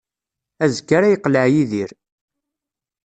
Azekka ara yeqleɛ Yidir.